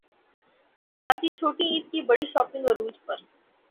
کراچی چھوٹی عید کی بڑی شاپنگ عروج پر